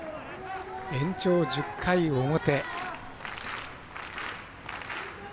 延長１０回表。